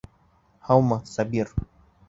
Һаумы, Сабир!